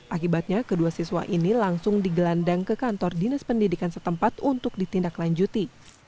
akibatnya kedua siswa ini langsung digelandang ke kantor dinas pendidikan setempat untuk ditindaklanjuti